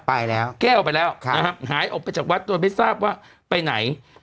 ไปแล้วแก้วไปแล้วนะฮะหายออกไปจากวัดโดยไม่ทราบว่าไปไหน